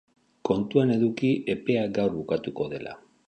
Kontuan eduki epea gaur bukatuko dela.